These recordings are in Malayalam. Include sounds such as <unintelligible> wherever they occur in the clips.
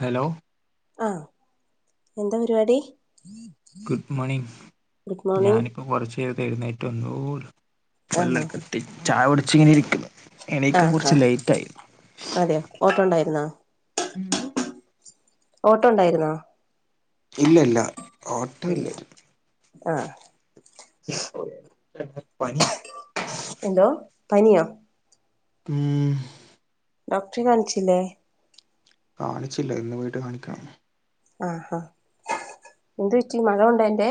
ഹലോ ആഹ് എന്താ പരിപാടി ഗുഡ് മോർണിംഗ് ഗുഡ് മോർണിംഗ് ഞാനിപ്പം കൊറച്ചു നേർത്തെ എഴുന്നേറ്റു വന്നൂള്ളു ആണോ പല്ലൊക്കെ തേച്ച് ചായ കുടിച്ചിങ്ങനെ ഇരിക്കാണ് എണീക്കാൻ കൊറച്ച് ലേറ്റ് ആയി ഓട്ടണ്ടായിരുന്ന <inaudible> ഓട്ടണ്ടായിരുന്ന ഇല്ലല്ല ഇല്ല ആഹ് <inaudible> പനിയാ എന്തോ പനിയൊ ഉം ഡോക്ടറേ കാൺച്ചില്ലെ കാണിച്ചില്ല ഇന്ന് പോയിട്ട് കാണിക്കണം ആഹ് ഹ എന്ത് പറ്റി മഴ കൊണ്ടെയ്ൻ്റെ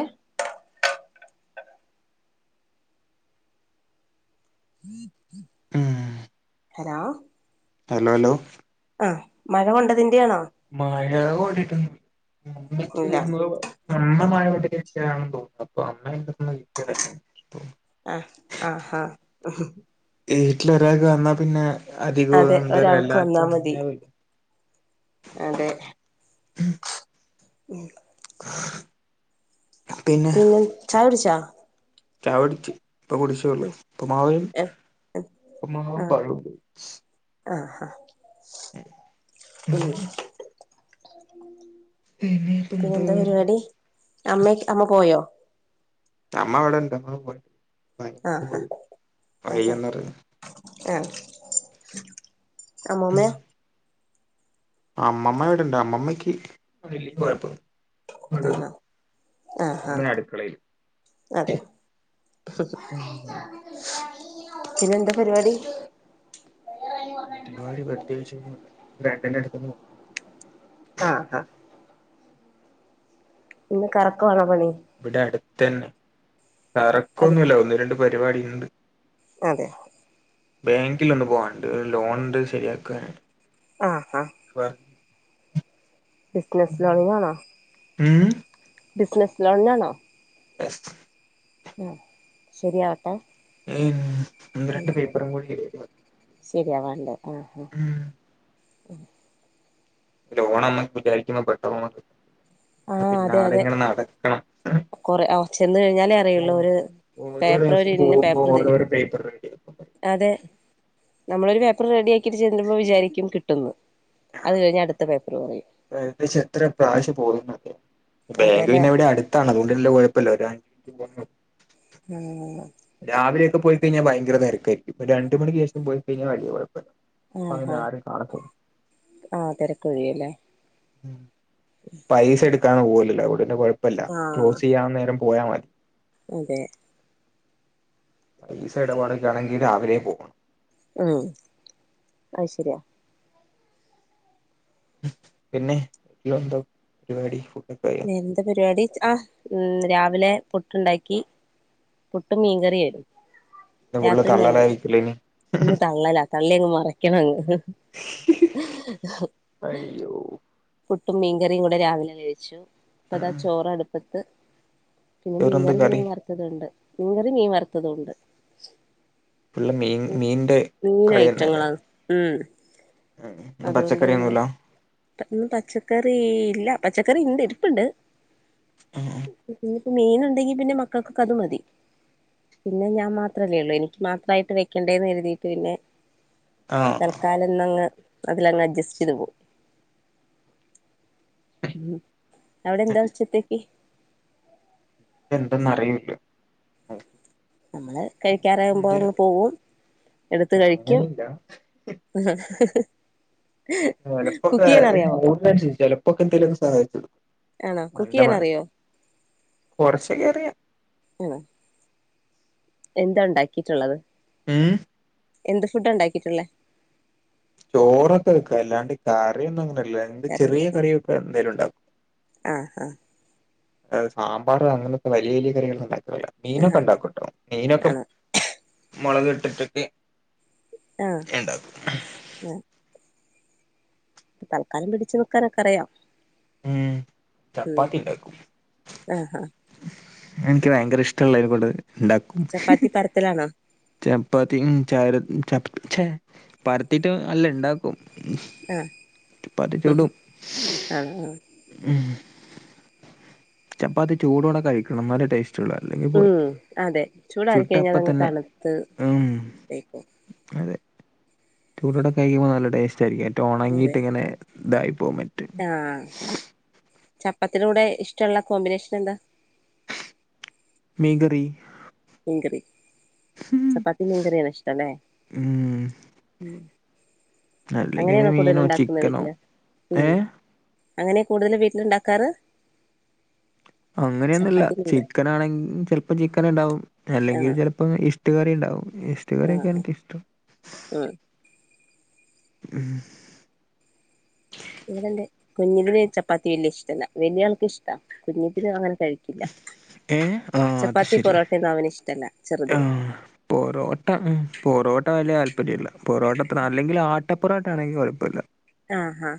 <inaudible> ഉം ഹലോ ഹലലൊ ആഹ് മഴ കൊണ്ടതിന്റെയാണോ മഴ കൊണ്ടിട്ടൊന്നൂല്ല അമ്മയ്ക്ക് ഇല്ല എവുട്ന്നോ അമ്മ മഴ കൊണ്ട് കിട്ട്യാണെന്ന് തോന്നുന്നു അപ്പം അമ്മേൻ്റ്ടത്തിന്ന് കിട്ടേതാ ഇതും ആഹ് ആഹ വീട്ടില് ഒരാക്ക് വന്നാ പിന്നെ അധികം അതെ എന്തേലും ഒരാൾക്ക് വന്നാ എല്ലാർക്കും മതി വേം വരും അതെ ഉം പിന്നെ ചായുടിച്ച ചായ കുടിച്ച് ഇപ്പം കുടിച്ചേള്ളു ഉം ഉപ്പുമാവും ഏഹ് ഉപ്പുമാവും ആഹ് പഴവും കഴിച്ച് ആഹ് ഹ ഉം ഇനിയിപ്പ എന്താ പിന്നെന്താ പരിപാടി അമ്മെക്കെ അമ്മ പോയോ അമ്മ വിടെണ്ട് അമ്മ പോയി പനി ആഹ് ആഹ് പോയില്ല അതെ വയ്യെന്നറിഞ്ഞു ആഹ് അമ്മൂമ്മയോ അമ്മമ്മ ഇവിടെണ്ട് അമ്മമ്മയ്ക്ക് വല്യ കൊഴപ്പം ഇങ്ങട് ആഹ് ആഹ് ആഹ് അമ്മ അടുക്കളയില് അതെ ഉം പിന്നെ എന്താ പരിപാടി പരിപാടി പ്രത്യേകിച്ചൊന്നുല്ല ഫ്രണ്ടിൻ്റെ അടുത്തൊന്ന് പോണം ആഹ് ആഹ് ഇന്ന് കറക്കവാണോ പണി ഇവടെ അട്ത്തന്നെ അത് കറക്കൊന്നുല്ല ഒന്ന്, രണ്ട് പരിപാടിണ്ട്. അതെ ബാങ്കിൽ ഒന്ന് പോവാണ്ട് ഒരു ലോണിൻ്റെ ശരിയാക്കാന്ണ്ട്. ആഹ് ആഹ് വർ ബിസ്നസ് ലോണിനാണോ ഉം ബിസ്നസ് ലോണിനാണോ? യെസ് ഏ ശരിയാവട്ടെ. ഇഞ്ഞ് ഒന്ന്, രണ്ട് ഉം പേപ്പറും കൂടി <unintelligible> ശരിയാവാണ്ട് ആ ആ ഉം ലോണൊന്നും വിചാരിക്കുമ്പം പെട്ടന്ന് <unintelligible> പിന്നാലെങ്ങനെ നടക്കണം ഉം കൊറേ ആ ചെന്ന് കഴിഞ്ഞാലേ അറിയുള്ളൂ ഒര് ഓരോ ദിവസം പോകുമ്പോൾ ഓരോരോ പേപ്പർ <unintelligible> അതെ നമ്മളൊരു പേപ്പർ റെഡി ആക്കിട്ട് ചെല്ലുമ്പോ വിചാരിക്കും കിട്ടുന്ന്. അത് കഴിഞ്ഞ അടുത്ത പേപ്പർ പറിയും ഏകദേശം എത്ര പ്രാവശ്യം പോകുന്നറിയോ ബാങ്ക് അതെല്ലേ പിന്നെ ഇവടെ അട് ത്താണ് അത്കൊണ്ട്ല്ല കൊഴപ്പല്ല <unintelligible> ഉം രാവിലെയക്കെ പോയിക്കഴിഞ്ഞാ ഭയങ്കര തെരക്കായിരിക്കും ഇപ്പം രണ്ട് മണിക്ക് ശേഷം പോയി കഴിഞ്ഞ വല്യ കൊഴ അങ്ങനെ ആരും കാണത്തില്ല ആ തെരക്കൊഴിയുല്ലേ. ഉം പൈസ എടുക്കാൻ പോവല്ലല്ലോ അതോണ്ട് പിന്നെ കൊഴപ്പല്ല ക്ലോസ് ചെയ്യാൻ നേരം പോയ മതി ഉതെ പൈസ എടപാടൊക്കെ ആണെങ്കിൽ രാവിലെ പോകണം. ഏം അഹ് ശരിയാ പിന്നെ <unintelligible> എന്താ പരിപാടി? ആ ഉം രാവിലെ പുട്ട്ണ്ടാക്കി പുട്ടും മീൻകറി ആയിരുന്നു ഫുള്ള് രാത്രി മീൻക തള്ളലായിരിക്കുംല്ലേ ഇനി ഇന്ന് തള്ളല തള്ളി അങ്ങ് മറിയ്ക്കണങ്ങ് അയ്യോ പുട്ടും മീൻകറിയും കൂടെ രാവിലെ കഴിച്ചു. ഇപ്പതാ ഉം ചോറ അടുപ്പത്ത് പിന്നെ വേറെന്താ മീൻകറി കറി എന്തേലും വറു ത്ണ്ട് മീൻകറി മീൻ വറുത്തതു ഉണ്ട്. ഫുള്ള് മീൻ ഉം മീന്റെ മീന് കളി തന്നെയല്ലേ ഐറ്റങ്ങളാണ് ഉം ഇന്ന് അതുകൊണ്ട് തന്നെ പച്ചക്കറിയൊന്നുല്ല പ ഇന്ന് പച്ചക്കറി ഇല്ല പച്ചക്കറി ഇണ്ട് ഇരിപ്പ്ണ്ട്. ഇഞ്ഞ്പ്പം മീൻ ഇണ്ടെങ്കി പിന്നെ മക്കൾക്ക് കത് മതി. പിന്നെ ഞാൻ മാത്രല്ലേ ഇള്ളേ എനിക്ക് മാത്രായിട്ട് വെക്കണ്ടേന്ന് എഴുതിയിട്ട് പിന്നെ ആഹ് തൽക്കാലന്നങ്ങ് അതിലങ്ങ് അഡ്ജസ്റ്റ് ചെയ്ത് പോവും ഉം അവടെ എന്താ ഉച്ചത്തേക്ക്? എന്തെന്ന് അറിയൂല്ല ഉം നമ്മള് കഴിക്കാറകുമ്പോ അങ്ങ് പോകും എടുത്ത് കഴിക്കും. അങ്ങനില്ല ആഹ ഹ ഹ ചെലപ്പൊക്കെ അറിയാവോ <unintelligible> ചെലപ്പൊക്കെ എന്തേലും ഒന്ന് സഹായിച്ചിടും. ആണോ കുക്ക് ചെയ്യാൻ അറിയോ? കൊറച്ചൊക്കെ അറിയ ഉം എന്താ ഉണ്ടാക്കിയിട്ടുള്ളത് ഉം എന്ത് ഫുഡ് ഉണ്ടാക്കിയിട്ടുള്ളേ ചോറൊക്കെ വെക്കാ അല്ലാണ്ട് കറിയൊന്നും അങ്ങനെല്ല എന്ത് കറി ചെറിയ കറിയൊക്കെ എന്തായാലും ഉണ്ടാക്കോ ആഹ് ആഹ് സാമ്പാർ അങ്ങനത്തെ വലിയ വലിയ കറികൾ ഉണ്ടാക്കല്ല മീനൊക്കെ ആഹ് ഉണ്ടാക്കുംട്ടോ മീനൊക്കെ ആണോ മുളക് ഇട്ടിട്ടൊക്കെ ആഹ് ഉണ്ടാക്കും ആഹ് ഇപ്പ തൽക്കാലം പിടിച്ച് നൽക്കാനൊക്കെ അറിയാം ഉം ഉം ചപ്പാത്തി ഉണ്ടാക്കും ആഹ് ആഹ് എനിക്ക് ഭയങ്കര ഇഷ്ടള്ള അതിനകൊണ്ട് ഉണ്ട ചപ്പാത്തി പരത്തലാണോ ചപ്പാത്തി ച ചപ്പേ പരത്തിട്ട് അല്ല ഉണ്ടാക്കും ആ ചപ്പാത്തി അഹ് ചുടും ആ ആ ഉം ചപ്പാത്തിച്ചൂടോടെ കഴിക്കണെന്നാലെ ടേസ്റ്റ് ചുലല്ലങ്കിപ്പോയി ഉം അതെ ചൂടാറി ചുട്ട കഴിഞ്ഞാൽ അതങ്ങ് അപ്പത്തന്നെ തണുത്ത് ഉം പൊയ്ക്കോളും അതെ ചൂടോട കയിക്കുമ്പോൾ നല്ല ടേസ്റ്റായിരിക്കും ഏറ്റവും ഉണങ്ങിയിട്ട്ങ്ങനെ ഇതായിപ്പോകും മറ്റ് ആ ചപ്പത്തിടെ കൂടെ ഇഷ്ടള്ള കോമ്പിനേഷനെന്താ മീങ്കറീ ഉങ്കറി ചപ്പാത്തി നിങ്കറിേനഷ്ടല്ലേ ഉം ഉം <inaudible> അല്ലെങ്കില് അങ്ങനെയാണോ കൂടുതൽ മീനോ ഉണ്ടാക്കുന്ന ചിക്കനോ വീട്ടില് ഉം ഏഹ് അങ്ങനെ കൂട്തല് വീട്ടിലുണ്ടാക്കാറ് അങ്ങനെയൊന്നുല്ല ചപ്പാത്തി മീൻകറി ചിക്കൻ ആണെങ്കിൽ ചിലപ്പോ ചിക്കൻ ഉണ്ടാവും അല്ലെങ്കിൽ ആഹ് ച ഉം ഇഷ്ട്ക്കറിയിണ്ടാവും ഇഷ്ട് ആഹ് ക്കാരെക്കെയാണെക്കിൽ ഉം ഉം ഇവിടെന്റെ കുഞ്ഞിതിന് ചപ്പാത്തി വല്ല്യ ഷ്ട്ടല്ല വല്ല്യാൾക്ക് ഇഷ്ടാ കുഞ്ഞിതിന് അങ്ങനെ കഴി ഇല്ല ഏഹ്? ആഹ് അത് ശരി. ചപ്പാത്തിപ്പോറോട്ടെന്നും അവന് ഇഷ്ട്ടല്ലചെറുതിന് ആഹ്. പൊറോട്ട ഉം പൊറോട്ട വലിയ താല്പര്യം ഇല്ല പൊറോട്ടത്ര അല്ലെങ്കില് ആട്ടപ്പൊറോട്ട ആണെങ്കില് കുഴപ്പല്ല ആഹ് ഹാ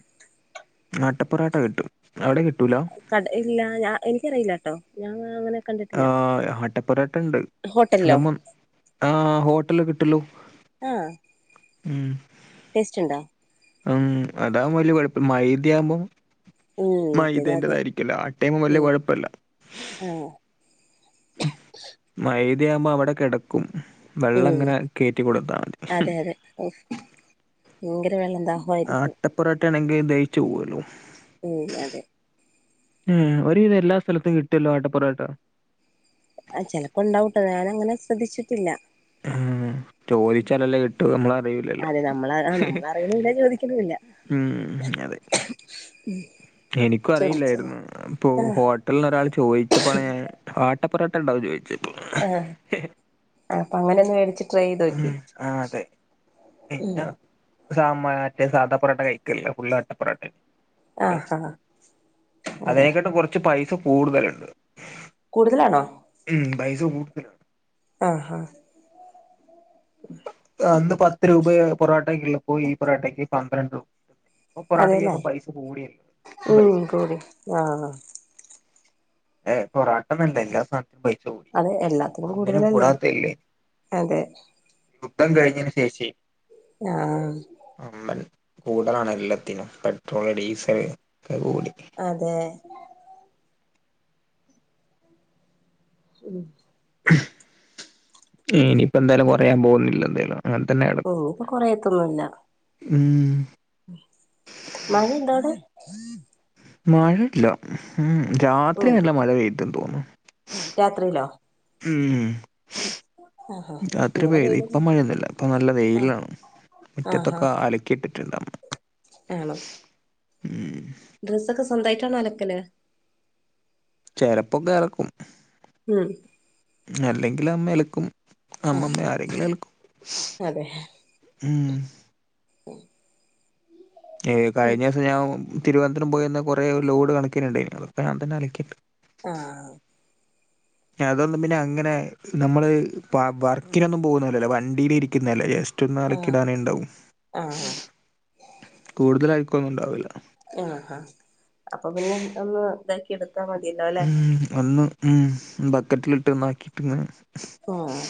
ആട്ടപ്പൊറാട്ട കിട്ടും അവിടെക്കിട്ടൂല കട ഇല്ല ഞ എനിക്കറിയില്ലട്ടോ ഞാങ്ങ നങ്ങനെ ആഹ് അട്ടപ്പറാട്ടണ്ട് ഹോട്ടലിലോ അതാമ്പം ആഹ് ഹോട്ടല് കിട്ടല്ലോ ആഹ് ഉം ടേസ്റ്റ്ണ്ടാ ഉ അതാവമ്പ വല്ല്യ കുഴപ്പം മൈതിയാമ്പം ഉം മറ്റേത് അതെ മൈതേന്റതായിരിക്കല്ല ആട്ടെയ്മ വല്യ ഉം കുഴപ്പല്ല ആഹ് ഉ മൈതയാമ്പ അവിടെ കെടക്കും വെള്ളങ്ങനെ കേറ്റി കൊടുത്താ മതി ഉ യങ്കര വെള്ളന്താ ആട്ടപ്പൊറോട്ടയാണെങ്കി ദഹിച്ചു പോവല്ലോ ഉം അതെ ഉം ഒരുവിധം എല്ലാ സ്ഥലത്തും കിട്ടല്ലോ ആട്ടപ്പൊറോട്ട ആഹ് ചെലപ്പോ ഇണ്ടാവൂട്ടോ ഞാനങ്ങനെ ശ്രദ്ധിച്ചിട്ടില്ലാ ചോദിച്ചാലല്ലേ കിട്ടു നമ്മളറിയൂലല്ലോ അതെ നമ്മള ആ നമ്മളറിയണുല്ല ചോദിക്കണുല്ല ഉം അതെ എനിക്കു ചോദിച്ചില്ല അറിയില്ലായിരുന്നു അപ്പൊ ആഹ് ഹോട്ടലിന്നൊരാള് ചോദിച്ചപ്പാണ് ഞാൻ ആട്ടപ്പൊറാട്ട ഇണ്ടാവോന്ന് ചോദിച്ച് ആഹ് അപ്പ അങ്ങനെങ്ങ് വേടിച്ചി ഉം ആഹ് ആതെ പിന്നാ സാമാ മറ്റേ സാധാ പൊറോട്ട കഴിക്കലില്ലാ ഫുള്ളാട്ടപ്പൊറാട്ടയാണ് അട്ടെ ആഹ് ആഹ് അതെ അതിനെക്കാട്ടും കൊറച്ച് പൈസ കൂടുതലുണ്ട് കൂടുതലാണോ? ഉം പൈസ കൂടുതലാ ആഹ് ആഹ് ഉം ആഹ് അന്ന് പത്ത് രൂപയേ പൊറോട്ടക്കുള്ളപ്പോ ഈ പൊറോട്ടക്ക് പന്ത്രണ്ടും ഇപ്പം അതെല്ലേ പൊറോട്ടക്കൊക്കെ പൈസ കൂടിയല്ലോ ഉം പൈസ കൂടി ഏഹ് പൊറോട്ടന്നല്ലാ എല്ലാ സാധന അതെ എല്ലാത്തിനും കൂടുതലല്ലേ കൂടാത്തല്ലേ അതേ യുദ്ധം കഴിഞ്ഞതിന് ശേഷെ ആഹ് വമ്പൻ കൂടലാണ് എല്ലാത്തിനും പെട്രോള് ഡീസല് ഒക്കെ കൂടി അതെ ഉം ഇനിയിപ്പ എന്തായാലും കൊറയാൻ പോകുന്നില്ല എന്തായാലും അങ്ങനെ തന്നെയാണ് ഓഹ് ഇപ്പൊ കൊറയത്തൊന്നും ഇല്ലാ ഉം മഴ ഇണ്ടോ അവിടെ മഴയില്ലാ ഉം രാത്രി ഉം നല്ല മഴ പെയ്തന്ന് തോനുന്നു രാത്രിയിലോ ഉം ആഹാ രാത്രി ഇവിടെ പെയ്ത് ഇപ്പ പെയ്തൊന്നും മഴയൊന്നുല്ലാ ഇപ്പ നല്ല ആഹ് വെയിലാണ് ആഹാ മുറ്റത്തൊക്കെ അലക്കിയിട്ടിട്ട്ണ്ട് അമ്മ ആണോ ഉം ഡ്രസ്സക്കെ സ്വന്തായിട്ടണോ അലക്കല് ചെലപ്പൊക്കെ അലക്കും ഉം അല്ലെങ്കില് അമ്മ അലക്കും ആ അമ്മമ്മയോ ആരെങ്കിലും അലക്കും അതെ ഉം ഏഹ് കഴിഞ്ഞ ദിവസം ഞാൻ തിരുവനന്തപുരം പോയി വന്ന കൊറെ ഒരു ലോഡ് കണക്കിന് ഇണ്ടായിനി അതൊക്കെ ഞാൻ തന്നെ അലക്കിയിട്ട് ആഹ് ഞാൻ അതൊന്നും പിന്നെ അങ്ങനെ നമ്മള് പ വർക്കിനൊന്നും പോകുന്ന പോലെയല്ലല്ലോ വണ്ടിയില് ഇരിക്കുന്നയല്ലേ ജസ്റ്റ് ‌റ്റൊന്ന് അലക്കി ആഹ് ഇടാനേ ഇണ്ടാവും ആഹ് കൂടുതൽ അഴുക്കൊന്നും ഉണ്ടാവൂല്ലാ ആഹഹാ അപ്പൊ പിന്നെ ഒന്ന് ഇതാക്കി എട് ത്താ മതിയല്ലോ അല്ലെ ഉം ഒന്ന് ഉം ബക്കറ്റിലിട്ട് ഒന്നാക്കിറ്റൊന്ന് ആഹ്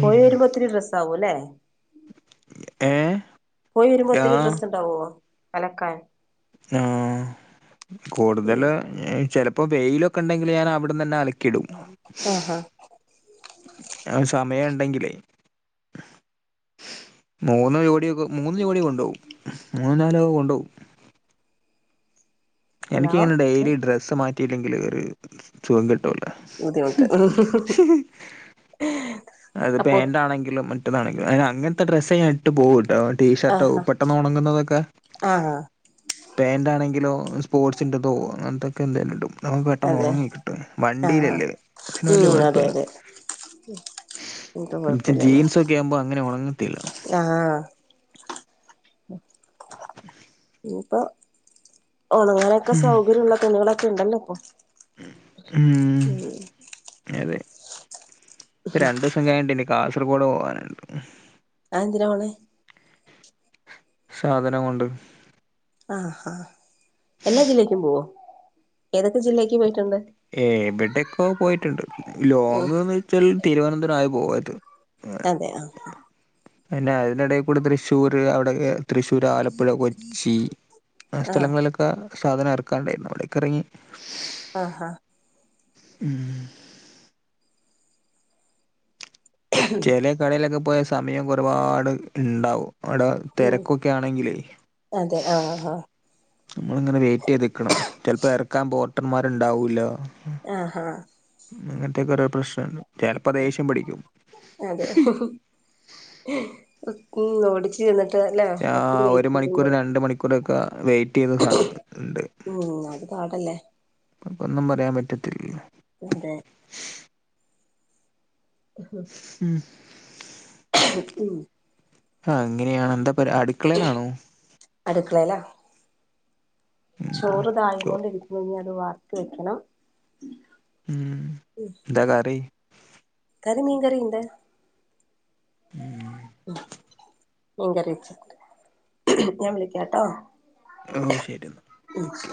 പോയി വെരുമ്പോത്തിന് ഡ്രസ്സാവുലെ ഏ പോയി വെരുമ്പോത്തിന് ഡ്രസ്സ്ണ്ടാവോ അലക്കാൻ ആഹ് കൂട്തല് ചെലപ്പോ വെയിലൊക്കെണ്ടെങ്കില് ഞാനവ്ട്ന്നെന്നെ അലക്കിടും ആഹാ അത് സമയണ്ടെങ്കിലെ മൂന്ന് ജോടിയൊക്കെ മൂന്ന് ജോഡി കൊണ്ടോവും മൂന്നും നാലൊക്കെ കൊണ്ടോവും ഹലോ എനിക്കിങ്ങനെ ഡെയ്ലി ഡ്രസ്സ് മാറ്റില്ലെങ്കില് ഒര് സുഖം കിട്ടൂല ഏ അത് പാന്റാണെങ്കിലും മറ്റതാണെങ്കിലും അയ്ന് അങ്ങൻത്തെ ഡ്രസ്സെ ഞാ ഇട്ട് പോവുട്ടോ ടീഷർട്ടോ ആഹാ പെട്ടെന്ന് ഒണങ്‌ന്നതൊക്കെ ആഹ് പാന്റാണെങ്കിലോ സ്പോർട്സിന്റെതോ അങ്ങൻത്തൊക്കെ എന്തേല്ടും അപ്പൊ പെട്ടെന്ന് അതെ ഒണങ്ങി കിട്ടേ ആഹ് വണ്ടിലല്ലേ അപ്പോ പിന്നെ വെല്യ അതെ കൊഴപ്പല്ല അതെ ഉം ഇപ്പൊ <unintelligible> കൊഴപ്പല്ലല്ലോ ജീൻസൊക്ക്യാവുമ്പോ അങ്ങനെ ഒണങ്ങത്തില്ല ആഹ് <inaudible> ഞ്ഞിപ്പൊ ഒണങ്ങാനൊക്കെ സൗകര്യള്ള തുണികളൊക്കെ ണ്ടല്ലൊ പ്പൊ ഉം ഉം അതെ പ്പ രണ്ടുസം കഴിഞ്ഞിട്ട് ഇനി കാസർഗോഡ് പോവാന്ണ്ട് അത് എന്തിനാ പോണ് സാധനം കൊണ്ട് ആഹാ എല്ലാ ജില്ലേക്കും പോവോ ഏതൊക്കെ ജില്ലേക്ക് പോയിട്ടുണ്ട് എവടൊക്കോ പോയ്ട്ട്ണ്ട് ഉം ലോങ്ന്ന് ച്ചൽ തിരുവനന്തപുരം ആയ് പോകാത്ത് അതെയോ പിന്നെ അയ്ന്റെടേക്കൂടെ തൃശ്ശൂര് അവിടൊക്കെ തൃശ്ശൂർ, ആലപ്പുഴ, കൊച്ചി ആ സ്ഥലങ്ങളിലൊക് ക്ക സാധനം എറക്കാണ്ടേര്ന്നു അവടൊക്കെറങ്ങി ആഹാ ഉം ചെലേ കടയിലൊക്കെ പോയാ സമയം ഒരുപാട് ണ്ടാവും അവടെ ഉം തെരക്കൊക്കാണെങ്കിലേ അതെ ആ ആ നമ്മളിങ്ങനെ വെയ്റ്റെയ്ത്ക്കണം ചെലപ്പോ എറക്കാൻ ബോട്ടർമാര്ണ്ടാവൂല്ല ആഹാ അങ്ങൻത്തെക്കോരോ പ്രശ്നണ്ട് ചെലപ്പോ ദേശ്യം പിഠിക്കും അതെ ഉം ഉ ഓടിച്ച് ചെന്നിട്ട് ല്ലേ ഒത്തിരി വെയ്റ്റെയ്യുമ്പോ ക്കൂടൊക്ക വെയ്റ്റെയ്ത് കാ ണ്ട് ഉം അത് പാടല്ലേ അപ്പൊന്നും പറയാൻ പറ്റത്തില്ലല്ലോ അതെ <unintelligible> ഉം ഉം <inaudible> ആഹ് അങ്ങനെയാണ് എന്താ പ അടുക്കളയിലാണോ അടുക്കളയിലാ ഉം ചോ ചോറുതായികൊണ്ടിരിക്കുന്നു അത് വാർത്ത് വെക്കണം ഉം എന്താ കറി കറി മീൻ കറിണ്ട് ഉം ഉം മീൻ കറി വെച്ചിട്ടുണ്ട് ഞാൻ വിളിക്കാട്ടോ ഓ ശരി എന്നാൽ ഓക്കെ